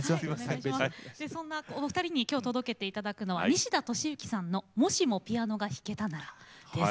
そんなお二人に今日届けて頂くのは西田敏行さんの「もしもピアノが弾けたなら」です。